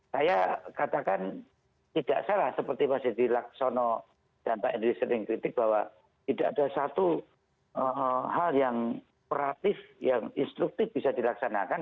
saya katakan tidak salah seperti pak deddy laksono dan pak henry sering kritik bahwa tidak ada satu hal yang perhatif yang instruktif bisa dilaksanakan